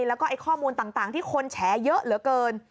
แล้วก็ข้อมูลต่างที่คนแฉเยอะเหลือเกิน